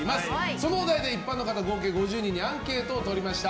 そのお題で一般の方合計５０人にアンケートを取りました。